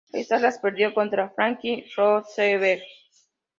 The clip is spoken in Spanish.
Estas las perdió contra Franklin Roosevelt.